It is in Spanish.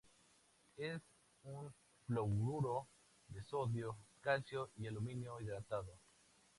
Es un fluoruro de sodio, calcio y aluminio, hidratado.